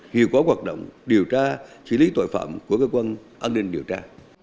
hiệu quả hoạt động điều tra xử lý tội phạm của cơ quan an ninh điều tra